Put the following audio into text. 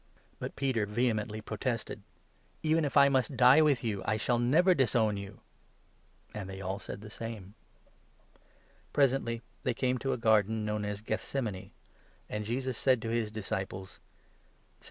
But Peter vehemently protested : 31 " Even if I must die with you, I shall never disown you !" And they all said the same. Presently they came to a garden known as 32 Jesus in Gethsemane, and Jesus said to his disciples " Sit Ccthsemane. .'...